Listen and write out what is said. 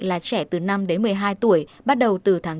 là trẻ từ năm đến một mươi hai tuổi bắt đầu từ tháng bốn